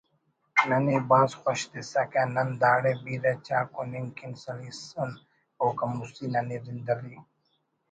ننے بھاز خوش تسکہ نن داڑے بیرہ چا کننگ کن سلیسن اوکان مستی ننے رندعلی